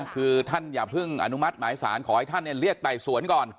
คือท่านอย่าเพิ่งอนุมัติหมายสารขอให้ท่านเรียกไต่สวนก่อน